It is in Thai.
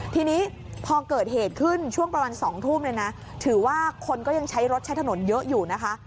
ทีนี้พอเกิดเหตุขึ้นช่วงประมาณ๒ทุ่มเลยนะถือว่าคนก็ยังใช้รถใช้ถนนเยอะอยู่นะคะ